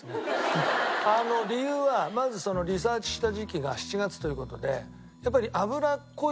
理由はまずリサーチした時期が７月という事でやっぱり。